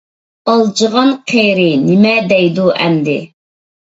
ئالجىغان قېرى نېمە دەيدۇ ئەمدى؟!